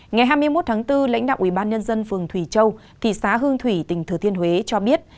ngày hai mươi một tháng bốn lãnh đạo ubnd phường thủy châu thị xã hương thủy tỉnh thừa thiên huế cho biết